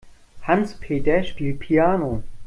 Hans-Peter spielt Piano.